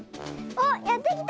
おっやってきた！